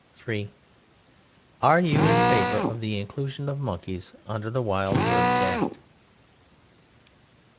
_ 3. Are you in favour of the inclusion of Monkeys under the Wild Birds Act?